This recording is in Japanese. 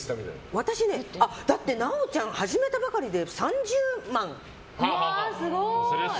だって直ちゃん始めたばかりで３０万。